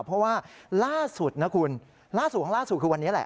เพราะว่าล่าสุดนะคุณล่าสุดคือวันนี้แหละ